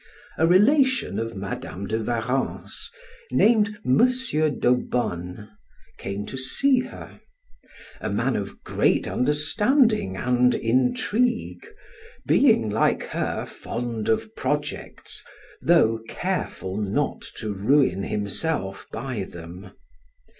A relation of Madam de Warrens, named M. d'Aubonne, came to see her; a man of great understanding and intrigue, being, like her, fond of projects, though careful not to ruin himself by them.